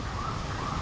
mới trở lại